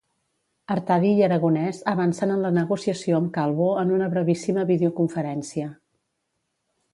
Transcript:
Artadi i Aragonès avancen en la negociació amb Calvo en una brevíssima videoconferència.